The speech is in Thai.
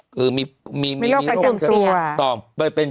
คือมีโรคกระเติมเสียตอบมีโรคกระเติมเสีย